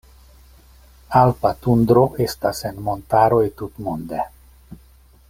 Alpa tundro estas en montaroj tutmonde.